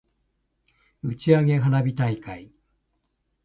打ち上げ花火大会